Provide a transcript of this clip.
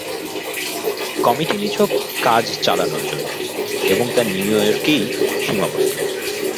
Committee নিছক কাজ চালানর জন্য এবং তা নিউ ইয়র্কেই সীমাবদ্ধ।